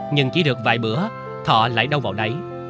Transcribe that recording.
nhưng chỉ được vài bữa thọ lại đâu vào đấy